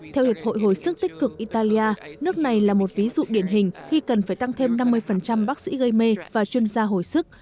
theo hiệp hội hồi sức tích cực italia nước này là một ví dụ điển hình khi cần phải tăng thêm năm mươi bác sĩ gây mê và chuyên gia hồi sức